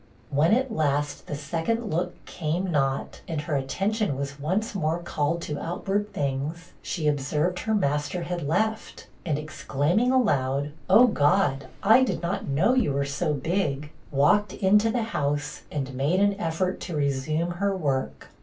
When at last the second look came not, and her attention was once more called to outward things, she observed her master had left, and exclaiming aloud, 'Oh, God, I did not know you were so big,' walked into the house, and made an effort to resume her work.